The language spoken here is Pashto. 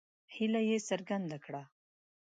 هیله یې څرګنده کړه.